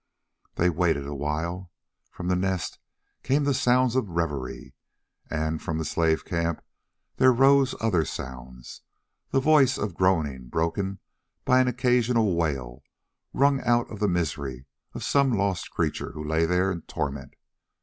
They waited awhile. From the Nest came the sound of revelry, and from the slave camp there rose other sounds, the voice of groaning broken by an occasional wail wrung out of the misery of some lost creature who lay there in torment.